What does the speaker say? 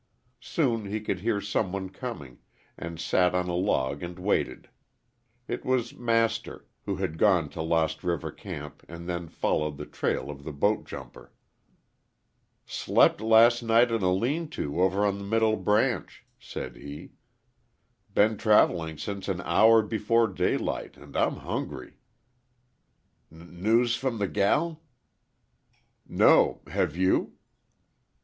Soon he could hear some one coming, and sat on a log and waited. It was Master, who had gone to Lost River camp and then followed the trail of the boat jumper. "Slept last night in a lean to over on the Middle Branch," said he. "Been travelling since an hour before daylight and I'm hungry." "N news from the gal?" "No. Have you?"